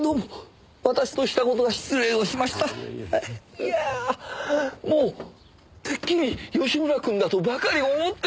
いやぁもうてっきり吉村くんだとばかり思ってました。